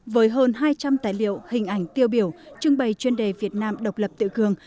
với hơn hai trăm linh tài liệu hình ảnh tiêu biểu trưng bày chuyên đề việt nam độc lập tự cường